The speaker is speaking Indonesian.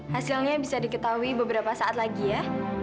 hasilnya bisa diketahui beberapa saat lagi ya